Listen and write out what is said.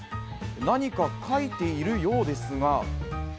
何か描いているようですが。